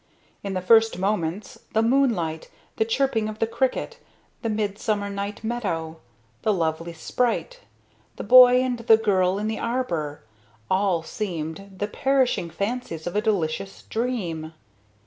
In the first moments, the moonlight, the chirping of the cricket, the midsummer night meadow, the lovely sprite, the boy and the girl in the arbor, all seemed the perishing fancies of a delicious dream.